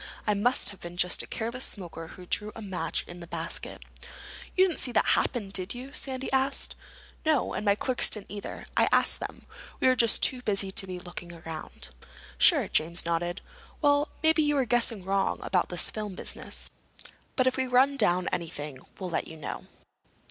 It must have been just a careless smoker who threw a match in the basket." "You didn't see that happen, did you?" Sandy asked. "No—and my clerks didn't either. I asked them. We were just too busy to be looking around." "Sure." James nodded. "Well, maybe we're guessing wrong about this film business. But if we run down anything we'll let you know."